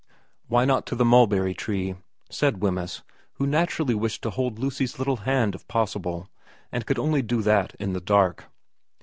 ' Why not to the mulberry tree ?' said Wemyss, who naturally wished to hold Lucy's little hand if possible, and could only do that in the dark.